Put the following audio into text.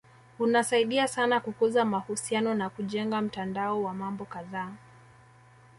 Unasaidia sana kukuza mahusiano na kujenga mtandao wa mambo kadhaa